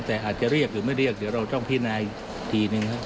แต่อาจจะเรียกหรือไม่เรียกเดี๋ยวเราต้องพินาอีกทีหนึ่งครับ